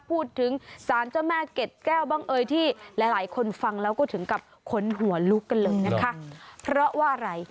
พูดถึงสารเจ้าแม่เก็ดแก้วบ้างเอ่ยที่หลายหลายคนฟังแล้วก็ถึงกับขนหัวลุกกันเลยนะคะเพราะว่าอะไร